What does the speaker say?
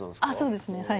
あっそうですね